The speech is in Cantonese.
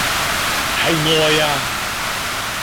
係愛呀！